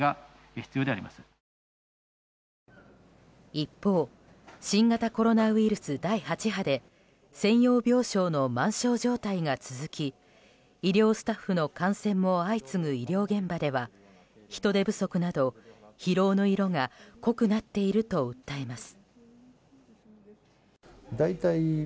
一方新型コロナウイルス第８波で専用病床の満床状態が続き医療スタッフの感染も相次ぐ医療現場では人手不足など、疲労の色が濃くなっていると訴えます。